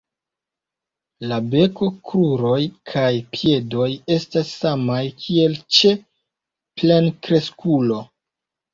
La beko, kruroj kaj piedoj estas samaj kiel ĉe plenkreskulo.